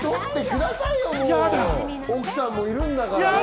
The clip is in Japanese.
奥さんもいるんだから。